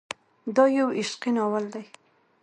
دا يو عشقي ناول دی.